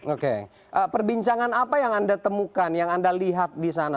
oke perbincangan apa yang anda temukan yang anda lihat di sana